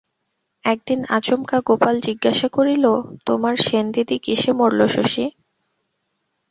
একদিন আচমকা গোপাল জিজ্ঞাসা করিল, তোমার সেনদিদি কিসে মরল শশী?